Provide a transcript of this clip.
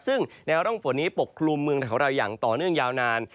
ซึ่งแนวร่องฝนนี้ปกคลุมเมืองไทยของเราอย่างต่อเนื่องยาวนาน